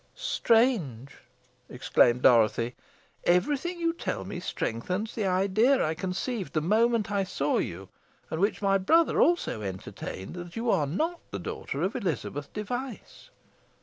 "Strange!" exclaimed Dorothy. "Every thing you tell me strengthens the idea I conceived, the moment I saw you, and which my brother also entertained, that you are not the daughter of Elizabeth Device."